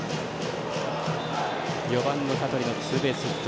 ４番の香取のツーベースヒット。